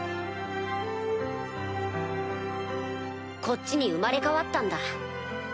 こっちに生まれ変わったんだ。